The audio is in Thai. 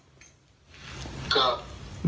ครับ